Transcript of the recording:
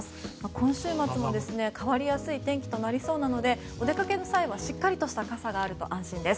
今週末も変わりやすい天気となりそうなのでお出かけの際はしっかりとした傘があると安心です。